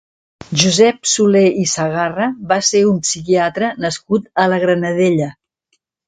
Josep Solé i Sagarra va ser un psiquiatre nascut a la Granadella.